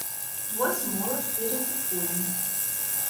Вось моладзь і рызыкуе.